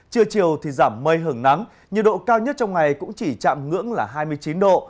trưa chiều thì giảm mây hưởng nắng nhiệt độ cao nhất trong ngày cũng chỉ chạm ngưỡng là hai mươi chín độ